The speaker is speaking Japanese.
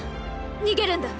逃げるんだ